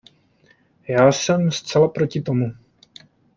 Já jsem zcela proti tomu.